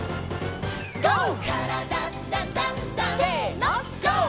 「からだダンダンダン」せのＧＯ！